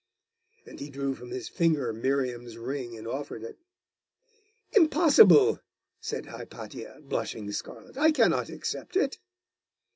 And he drew from his finger Miriam's ring and offered it. 'Impossible!' said Hypatia, blushing scarlet: 'I cannot accept it.